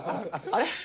あれ？